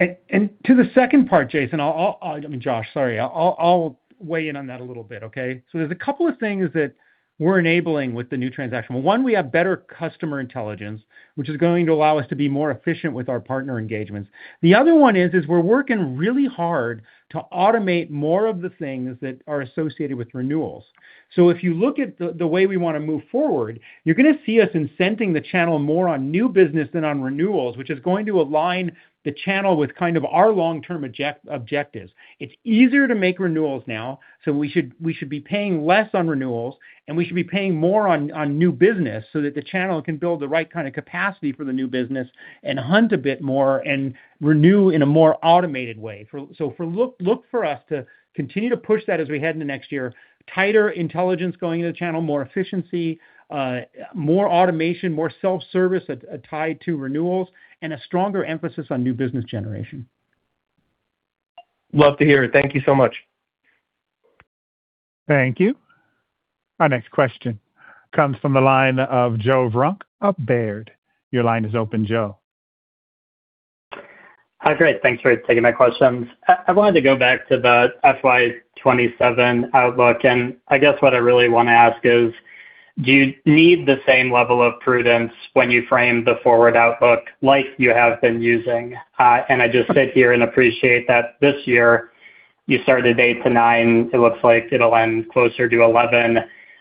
To the second part, Jason, I mean, Josh, sorry, I'll weigh in on that a little bit, okay? There's a couple of things that we're enabling with the new transaction. One, we have better customer intelligence, which is going to allow us to be more efficient with our partner engagements. The other one is we're working really hard to automate more of the things that are associated with renewals. If you look at the way we want to move forward, you're going to see us incenting the channel more on new business than on renewals, which is going to align the channel with kind of our long-term objectives. It's easier to make renewals now, so we should be paying less on renewals, and we should be paying more on new business so that the channel can build the right kind of capacity for the new business and hunt a bit more and renew in a more automated way. Look for us to continue to push that as we head into next year, tighter intelligence going into the channel, more efficiency, more automation, more self-service tied to renewals, and a stronger emphasis on new business generation. Love to hear it. Thank you so much. Thank you. Our next question comes from the line of Joe Vruwink of Baird. Your line is open, Joe. Hi, Greg. Thanks for taking my questions. I wanted to go back to the FY 2027 outlook. I guess what I really want to ask is, do you need the same level of prudence when you frame the forward outlook like you have been using? I just sit here and appreciate that this year, you started eight to nine. It looks like it'll end closer to 11.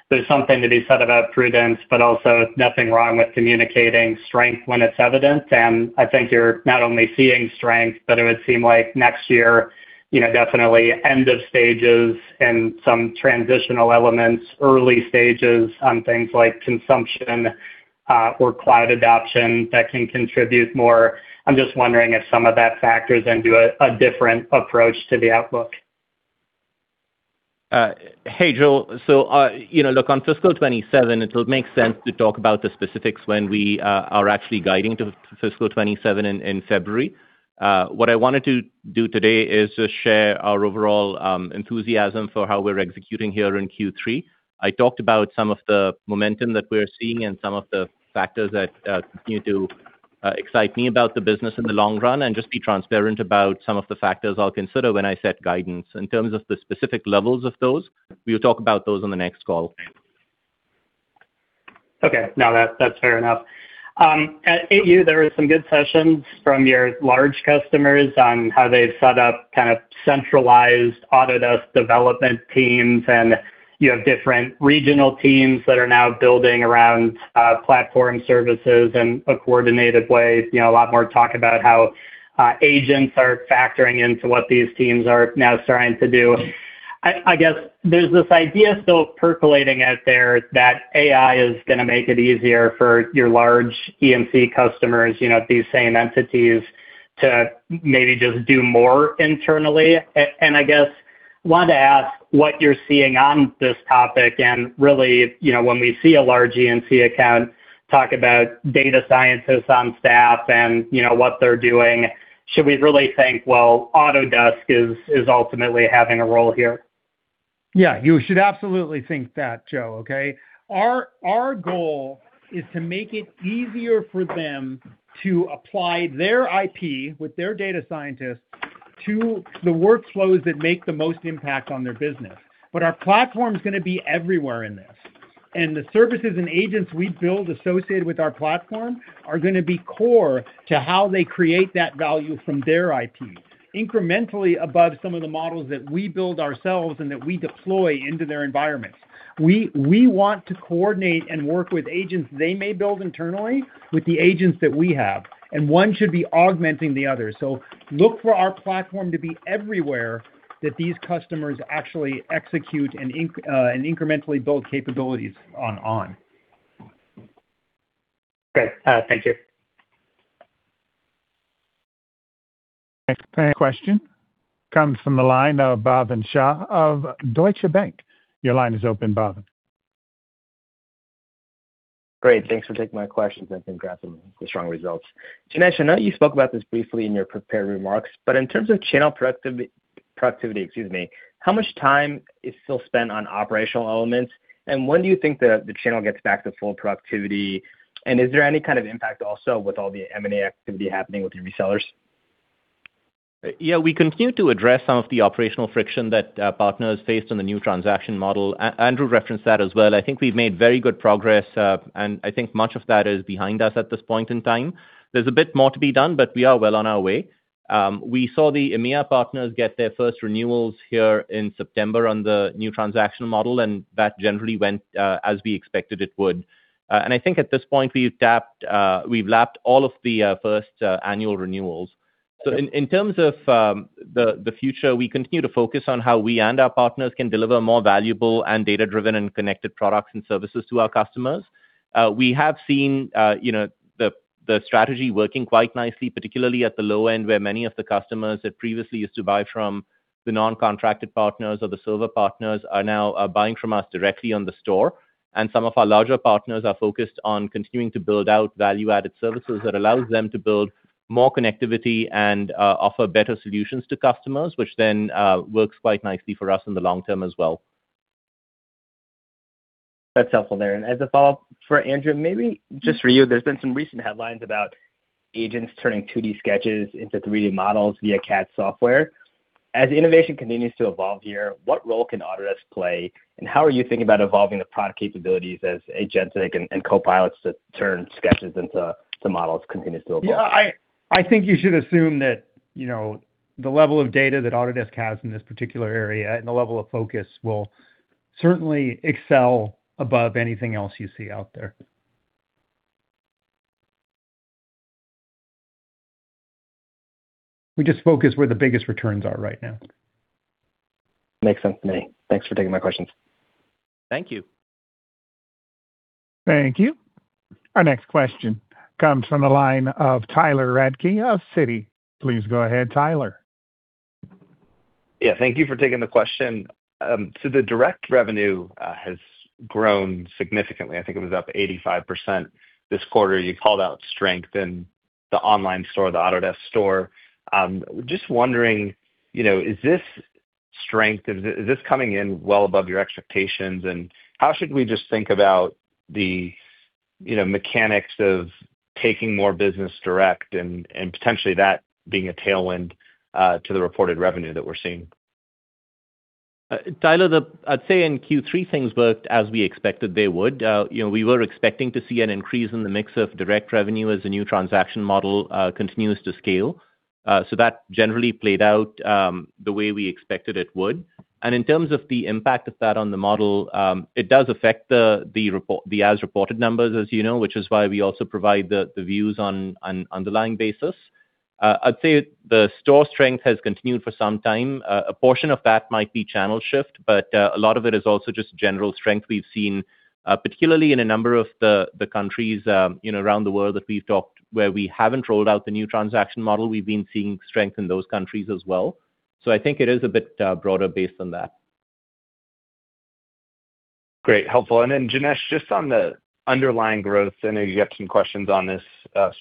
There's something to be said about prudence, but also nothing wrong with communicating strength when it's evident. I think you're not only seeing strength, but it would seem like next year, definitely end of stages and some transitional elements, early stages on things like consumption or cloud adoption that can contribute more. I'm just wondering if some of that factors into a different approach to the outlook. Hey, Joe. Look, on fiscal 2027, it'll make sense to talk about the specifics when we are actually guiding to fiscal 2027 in February. What I wanted to do today is just share our overall enthusiasm for how we're executing here in Q3. I talked about some of the momentum that we're seeing and some of the factors that continue to excite me about the business in the long run and just be transparent about some of the factors I'll consider when I set guidance. In terms of the specific levels of those, we'll talk about those on the next call. Okay. No, that's fair enough. At AU, there were some good sessions from your large customers on how they've set up kind of centralized Autodesk development teams, and you have different regional teams that are now building around platform services in a coordinated way. A lot more talk about how agents are factoring into what these teams are now starting to do. I guess there's this idea still percolating out there that AI is going to make it easier for your large EMC customers, these same entities, to maybe just do more internally. I guess I wanted to ask what you're seeing on this topic. Really, when we see a large EMC account talk about data scientists on staff and what they're doing, should we really think, well, Autodesk is ultimately having a role here? Yeah, you should absolutely think that, Joe, okay? Our goal is to make it easier for them to apply their IP with their data scientists to the workflows that make the most impact on their business. Our platform is going to be everywhere in this. The services and agents we build associated with our platform are going to be core to how they create that value from their IP, incrementally above some of the models that we build ourselves and that we deploy into their environments. We want to coordinate and work with agents they may build internally with the agents that we have. One should be augmenting the other. Look for our platform to be everywhere that these customers actually execute and incrementally build capabilities on. Great. Thank you. Thanks. Question comes from the line of Bhavin Shah of Deutsche Bank. Your line is open, Bhavin. Great. Thanks for taking my questions, and congrats on the strong results. Janesh, I know you spoke about this briefly in your prepared remarks, but in terms of channel productivity, excuse me, how much time is still spent on operational elements? When do you think the channel gets back to full productivity? Is there any kind of impact also with all the M&A activity happening with the resellers? Yeah, we continue to address some of the operational friction that partners faced on the new transaction model. Andrew referenced that as well. I think we've made very good progress, and I think much of that is behind us at this point in time. There's a bit more to be done, but we are well on our way. We saw the EMEA partners get their first renewals here in September on the new transaction model, and that generally went as we expected it would. I think at this point, we've lapped all of the first annual renewals. In terms of the future, we continue to focus on how we and our partners can deliver more valuable and data-driven and connected products and services to our customers. We have seen the strategy working quite nicely, particularly at the low end, where many of the customers that previously used to buy from the non-contracted partners or the server partners are now buying from us directly on the store. Some of our larger partners are focused on continuing to build out value-added services that allows them to build more connectivity and offer better solutions to customers, which then works quite nicely for us in the long term as well. That's helpful there. As a follow-up for Andrew, maybe just for you, there's been some recent headlines about agents turning 2D sketches into 3D models via CAD software. As innovation continues to evolve here, what role can Autodesk play, and how are you thinking about evolving the product capabilities as Agentic and Copilot to turn sketches into models continues to evolve? Yeah, I think you should assume that the level of data that Autodesk has in this particular area and the level of focus will certainly excel above anything else you see out there. We just focus where the biggest returns are right now. Makes sense to me. Thanks for taking my questions. Thank you. Thank you. Our next question comes from the line of Tyler Radke of Citi. Please go ahead, Tyler. Yeah, thank you for taking the question. The direct revenue has grown significantly. I think it was up 85% this quarter. You called out strength in the online store, the Autodesk Store. Just wondering, is this strength, is this coming in well above your expectations? How should we just think about the mechanics of taking more business direct and potentially that being a tailwind to the reported revenue that we're seeing? Tyler, I'd say in Q3, things worked as we expected they would. We were expecting to see an increase in the mix of direct revenue as the new transaction model continues to scale. That generally played out the way we expected it would. In terms of the impact of that on the model, it does affect the as-reported numbers, as you know, which is why we also provide the views on an underlying basis. I'd say the store strength has continued for some time. A portion of that might be channel shift, but a lot of it is also just general strength we've seen, particularly in a number of the countries around the world that we've talked where we haven't rolled out the new transaction model. We've been seeing strength in those countries as well. I think it is a bit broader based on that. Great. Helpful. Janesh, just on the underlying growth, I know you have some questions on this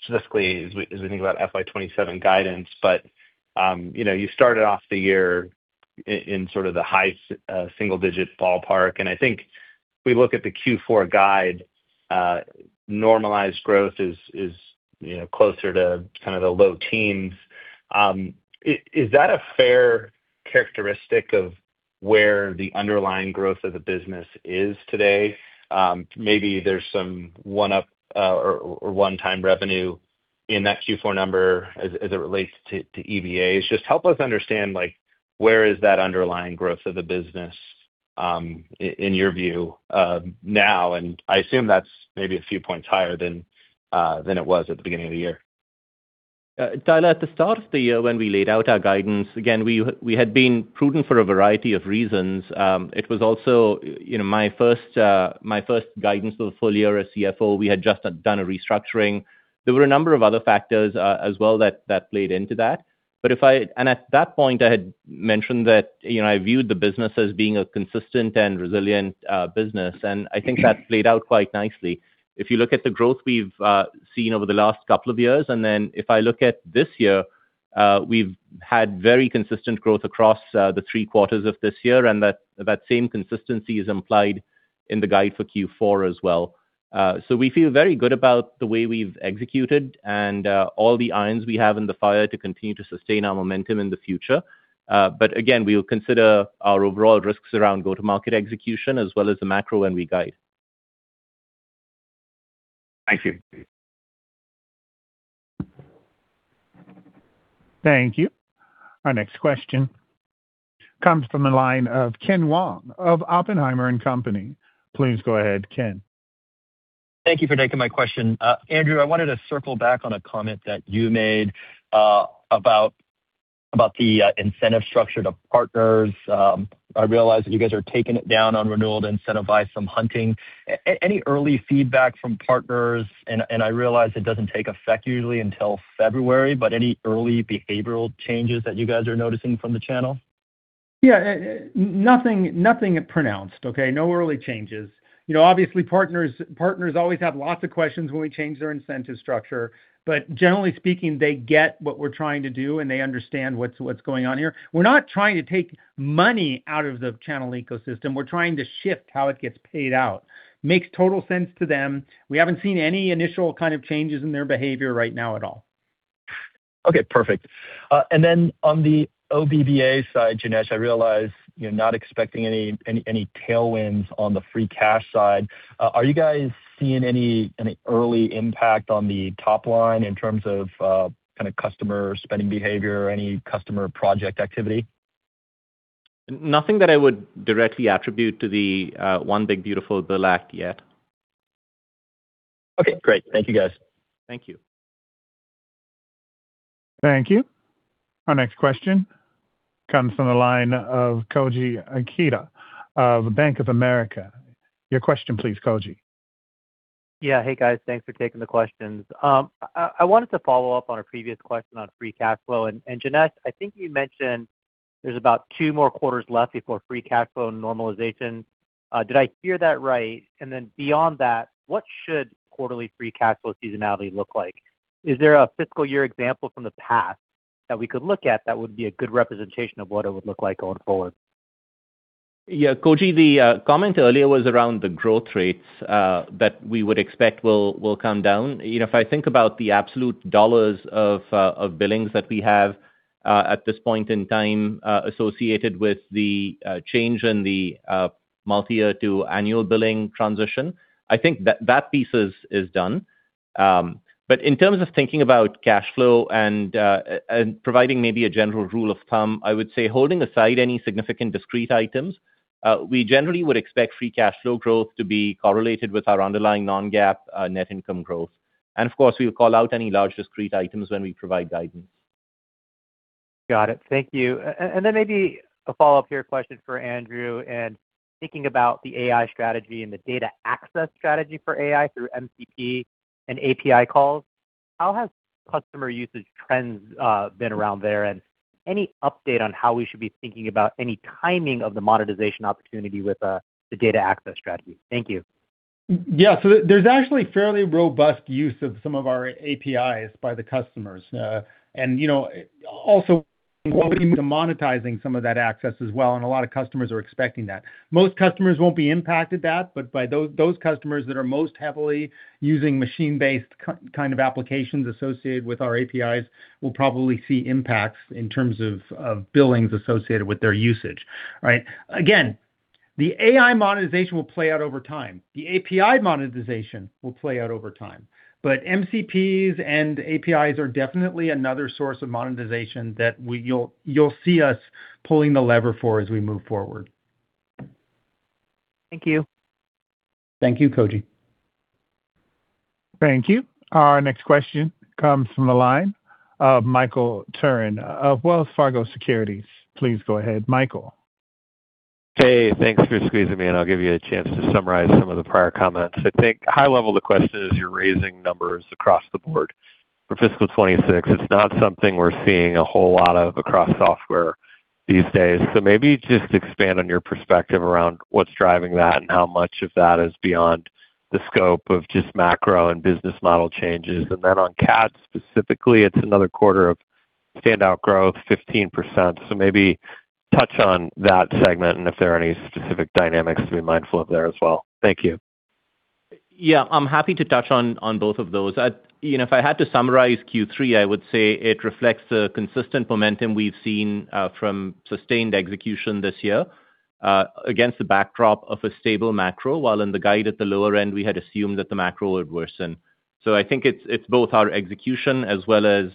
specifically as we think about FY 2027 guidance, but you started off the year in sort of the high single-digit ballpark. I think if we look at the Q4 guide, normalized growth is closer to kind of the low teens. Is that a fair characteristic of where the underlying growth of the business is today? Maybe there's some one-up or one-time revenue in that Q4 number as it relates to EBAs. Just help us understand where is that underlying growth of the business in your view now? I assume that's maybe a few points higher than it was at the beginning of the year. Tyler, at the start of the year when we laid out our guidance, again, we had been prudent for a variety of reasons. It was also my first guidance for the full year as CFO. We had just done a restructuring. There were a number of other factors as well that played into that. At that point, I had mentioned that I viewed the business as being a consistent and resilient business. I think that played out quite nicely. If you look at the growth we've seen over the last couple of years, and then if I look at this year, we've had very consistent growth across the three quarters of this year. That same consistency is implied in the guide for Q4 as well. We feel very good about the way we've executed and all the irons we have in the fire to continue to sustain our momentum in the future. Again, we'll consider our overall risks around go-to-market execution as well as the macro when we guide. Thank you. Thank you. Our next question comes from the line of Ken Wong of Oppenheimer & Co. Please go ahead, Ken. Thank you for taking my question. Andrew, I wanted to circle back on a comment that you made about the incentive structure to partners. I realize that you guys are taking it down on renewal to incentivize some hunting. Any early feedback from partners? I realize it does not take effect usually until February, but any early behavioral changes that you guys are noticing from the channel? Yeah, nothing pronounced, okay? No early changes. Obviously, partners always have lots of questions when we change their incentive structure. Generally speaking, they get what we're trying to do, and they understand what's going on here. We're not trying to take money out of the channel ecosystem. We're trying to shift how it gets paid out. Makes total sense to them. We haven't seen any initial kind of changes in their behavior right now at all. Okay, perfect. On the OBBA side, Janesh, I realize not expecting any tailwinds on the free cash side. Are you guys seeing any early impact on the top line in terms of kind of customer spending behavior or any customer project activity? Nothing that I would directly attribute to the One Big Beautiful Bill Act yet. Okay, great. Thank you, guys. Thank you. Thank you. Our next question comes from the line of Koji Ikeda of Bank of America. Your question, please, Koji. Yeah, hey, guys. Thanks for taking the questions. I wanted to follow up on a previous question on free cash flow. Janesh, I think you mentioned there's about two more quarters left before free cash flow normalization. Did I hear that right? Beyond that, what should quarterly free cash flow seasonality look like? Is there a fiscal year example from the past that we could look at that would be a good representation of what it would look like going forward? Yeah, Koji, the comment earlier was around the growth rates that we would expect will come down. If I think about the absolute dollars of billings that we have at this point in time associated with the change in the multi-year to annual billing transition, I think that piece is done. In terms of thinking about cash flow and providing maybe a general rule of thumb, I would say holding aside any significant discrete items, we generally would expect free cash flow growth to be correlated with our underlying non-GAAP net income growth. Of course, we'll call out any large discrete items when we provide guidance. Got it. Thank you. Maybe a follow-up here question for Andrew. Thinking about the AI strategy and the data access strategy for AI through MCP and API calls, how has customer usage trends been around there? Any update on how we should be thinking about any timing of the monetization opportunity with the data access strategy? Thank you. Yeah, there's actually fairly robust use of some of our APIs by the customers. Also, we'll be demonetizing some of that access as well. A lot of customers are expecting that. Most customers won't be impacted by that, but those customers that are most heavily using machine-based kind of applications associated with our APIs will probably see impacts in terms of billings associated with their usage, right? Again, the AI monetization will play out over time. The API monetization will play out over time. MCPs and APIs are definitely another source of monetization that you'll see us pulling the lever for as we move forward. Thank you. Thank you, Koji. Thank you. Our next question comes from the line of Michael Turrin of Wells Fargo Securities. Please go ahead, Michael. Hey, thanks for squeezing me. I'll give you a chance to summarize some of the prior comments. I think high level of the question is you're raising numbers across the board for fiscal 2026. It's not something we're seeing a whole lot of across software these days. Maybe just expand on your perspective around what's driving that and how much of that is beyond the scope of just macro and business model changes. On CAD specifically, it's another quarter of standout growth, 15%. Maybe touch on that segment and if there are any specific dynamics to be mindful of there as well. Thank you.` Yeah, I'm happy to touch on both of those. If I had to summarize Q3, I would say it reflects the consistent momentum we've seen from sustained execution this year against the backdrop of a stable macro, while in the guide at the lower end, we had assumed that the macro would worsen. I think it's both our execution as well as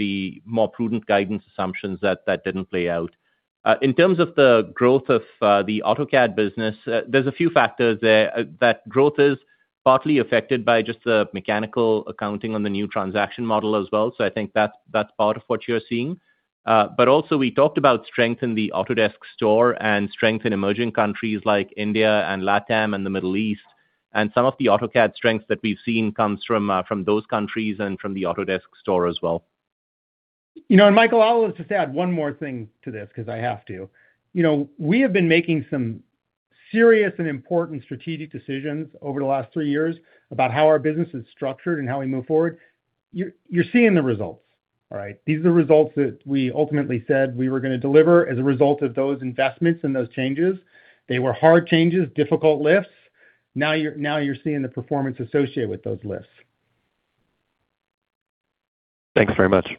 the more prudent guidance assumptions that that didn't play out. In terms of the growth of the AutoCAD business, there's a few factors there. That growth is partly affected by just the mechanical accounting on the new transaction model as well. I think that's part of what you're seeing. Also, we talked about strength in the Autodesk Store and strength in emerging countries like India and LATAM and the Middle East. Some of the AutoCAD strengths that we've seen comes from those countries and from the Autodesk Store as well. Michael, I'll just add one more thing to this because I have to. We have been making some serious and important strategic decisions over the last three years about how our business is structured and how we move forward. You're seeing the results, all right? These are the results that we ultimately said we were going to deliver as a result of those investments and those changes. They were hard changes, difficult lifts. Now you're seeing the performance associated with those lifts. Thanks very much.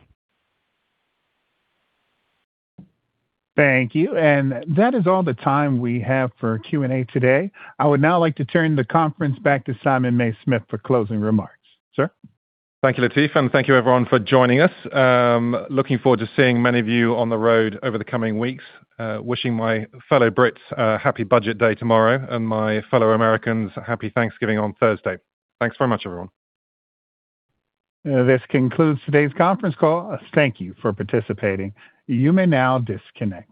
Thank you. That is all the time we have for Q&A today. I would now like to turn the conference back to Simon Mays-Smith for closing remarks. Sir? Thank you, Latif, and thank you everyone for joining us. Looking forward to seeing many of you on the road over the coming weeks. Wishing my fellow Brits a happy Budget Day tomorrow and my fellow Americans a happy Thanksgiving on Thursday. Thanks very much, everyone. This concludes today's conference call. Thank you for participating. You may now disconnect.